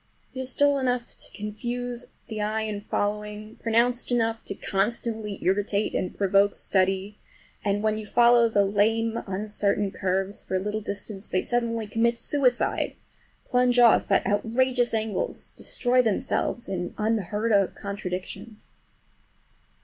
It is dull enough to confuse the eye in following, pronounced enough to constantly irritate, and provoke study, and when you follow the lame, uncertain curves for a little distance they suddenly commit suicide—plunge off at outrageous angles, destroy themselves in unheard of contradictions.